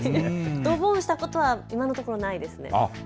どぼんしたことは今のところないです。